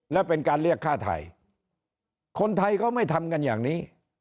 และเป็นการเรียกฆ่าไทยคนไทยเขาไม่ทำกันอย่างนี้